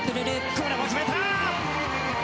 これも決めた！